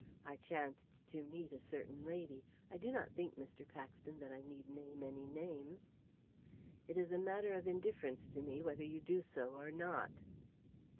I chanced to meet a certain lady I do not think, Mr. Paxton, that I need name any names?" "It is a matter of indifference to me whether you do so or not."